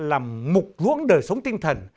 làm mục luống đời sống tinh thần